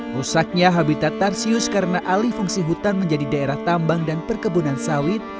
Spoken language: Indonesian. rusaknya habitat tarsius karena alih fungsi hutan menjadi daerah tambang dan perkebunan sawit